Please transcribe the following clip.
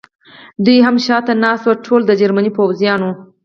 دوه یې هم شاته ناست و، ټولو د جرمني پوځیانو.